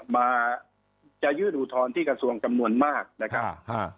มาจะยื่นอุทธรณ์ที่กระทรวงจำนวนมากนะครับ